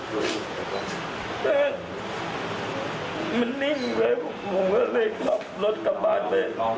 ปรั๊มมันนิ่งอยู่แหละผมก็เลยขับรถกลับบ้านไป